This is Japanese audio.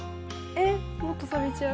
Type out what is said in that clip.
えっもっとサビちゃう。